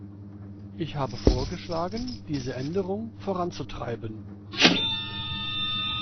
Ich habe vorgeschlagen, diese Änderung voranzutreiben.